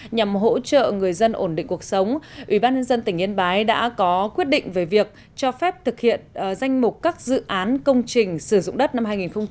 nhằm hỗ trợ người dân ổn định cuộc sống ủy ban nhân dân tỉnh yên bái đã có quyết định về việc cho phép thực hiện danh mục các dự án công trình sử dụng đất năm hai nghìn một mươi tám